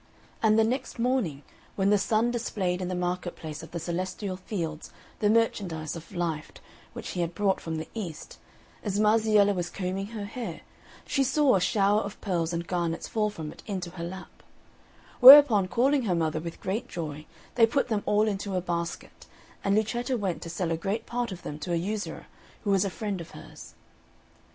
And the next morning, when the Sun displayed in the market place of the celestial fields the merchandise of light which he had brought from the East, as Marziella was combing her hair, she saw a shower of pearls and garnets fall from it into her lap; whereupon calling her mother with great joy, they put them all into a basket, and Luceta went to sell a great part of them to a usurer, who was a friend of hers.